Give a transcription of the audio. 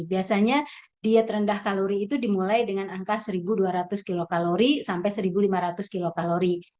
biasanya diet rendah kalori itu dimulai dengan angka seribu dua ratus kilokalori sampai satu lima ratus kilokalori